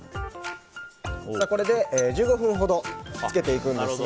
これで、１５分ほど漬けていくんですが。